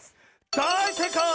だいせいかい！